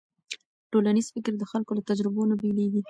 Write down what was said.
ټولنیز فکر د خلکو له تجربو نه بېلېږي.